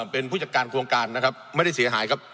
เป็นผู้จัดการโครงการนะครับไม่ได้เสียหายครับ